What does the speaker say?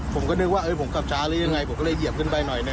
ผมก็นึกว่าผมกลับช้าหรือยังไงผมก็เลยเหยียบขึ้นไปหน่อยนึ